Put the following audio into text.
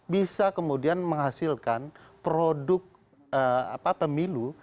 bisa kemudian menghasilkan produk pemilu